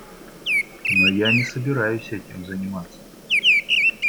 Но я не собираюсь этим заниматься.